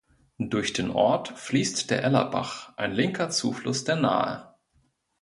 Durch den Ort fließt der Ellerbach, ein linker Zufluss der Nahe.